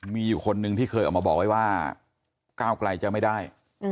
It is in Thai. มีอยู่คนนึงที่เคยออกมาบอกไว้ว่าก้าวไกลจะไม่ได้